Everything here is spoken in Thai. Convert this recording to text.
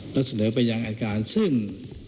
แล้วเสนอพยานอันการซึ่ง